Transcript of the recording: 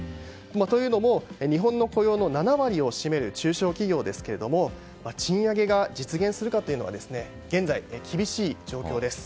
というのも日本の雇用の７割を占める中小企業ですが賃上げが実現するかというのは現在、厳しい状況です。